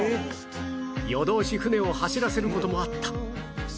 夜通し船を走らせる事もあった